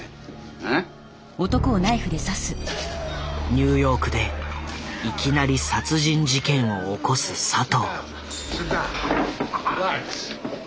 ニューヨークでいきなり殺人事件を起こす佐藤。